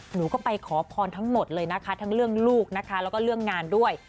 หนูก็ไปขอพรทั้งหมดเลยนะคะทั้งเรื่องลูกนะคะแล้วก็เรื่องงานด้วย